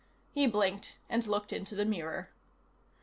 He blinked and looked into the mirror.